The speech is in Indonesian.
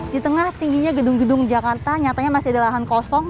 di tengah tingginya gedung gedung jakarta nyatanya masih ada lahan kosong